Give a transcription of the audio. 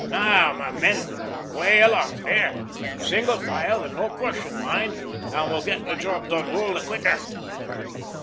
Now, my men, way aloft there! Single file, and no crushing, mind, and we'll get the job done all the quicker!"